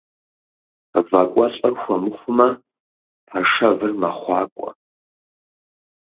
Вакӏуэлӏыр хуэмыхумэ, пашэвыр мэхъуакӏуэ.